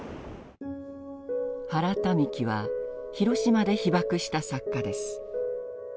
原民喜は広島で被爆した作家です。